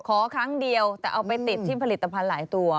ครั้งเดียวแต่เอาไปติดที่ผลิตภัณฑ์หลายตัว